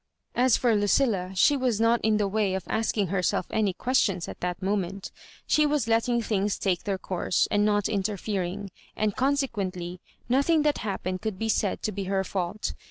As for Lucilla, she was not in the way of asking herself any questions at that moment She was letting things take their course, and not interfering; and consequently, nothing that happened could be said to be her fault.